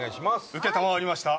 上川：承りました。